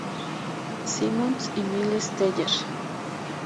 Simmons y Miles Teller".